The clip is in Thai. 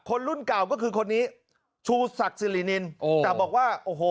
รุ่นเก่าก็คือคนนี้ชูศักดิ์สิรินินโอ้แต่บอกว่าโอ้โห